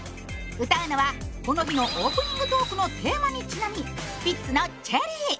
歌うのはこの日のオープニングトークのテーマにちなみスピッツの「チェリー」。